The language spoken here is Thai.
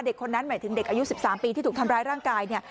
คนนั้นหมายถึงเด็กอายุ๑๓ปีที่ถูกทำร้ายร่างกายเนี่ย